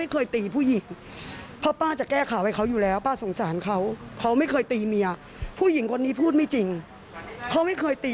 ซพนึงเก็บซพนึงอะไรอ่ะ